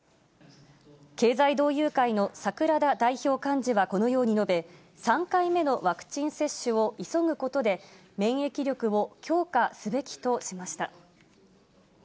経済同友会の櫻田代表幹事はこのように述べ、３回目のワクチン接種を急ぐことで、免疫力を強化すべきとしました。